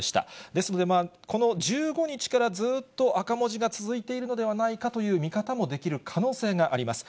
ですので、この１５日からずっと赤文字が続いているのではないかという見方もできる可能性があります。